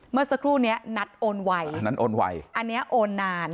เมื่อสักครู่เนี้ยนัดโอนไวอันนั้นโอนไวอันเนี้ยโอนนาน